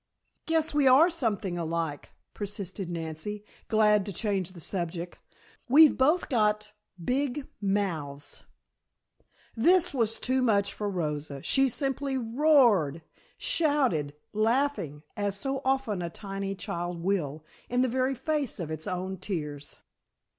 "Guess we are something alike," persisted Nancy, glad to change the subject. "We've both got big mouths " This was too much for Rosa. She simply roared, shouted, laughing, as so often a tiny child will, in the very face of its own tears.